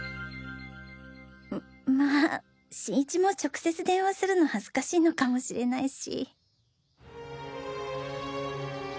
ままぁ新一も直接電話するの恥ずかしいのかもしれないし